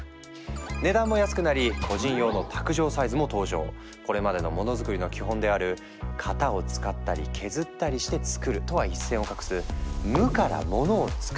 値段も安くなり個人用のこれまでのモノづくりの基本である「型を使ったり削ったりしてつくる」とは一線を画す「無からモノをつくる」